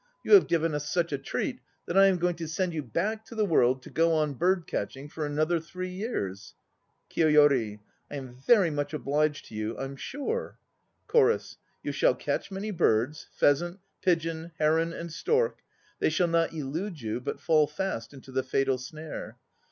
You have given us such a treat that I am going to send you back to the world to go on bird catching for another three years. KIYOYORI. I am very much obliged to you, I'm sure. CHORUS. You shall catch many birds, Pheasant, pigeon, heron and stork. They shall not elude you, but fall Fast into the fatal snare.